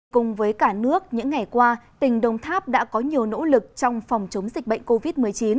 cùng với cả nước những ngày qua tỉnh đồng tháp đã có nhiều nỗ lực trong phòng chống dịch bệnh covid một mươi chín